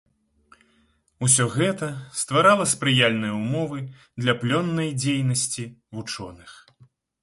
Усё гэта стварала спрыяльныя ўмовы для плённай дзейнасці вучоных.